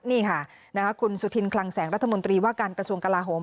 นี่ค่ะคุณสุธินคลังแสงรัฐมนตรีว่าการกระทรวงกลาโหม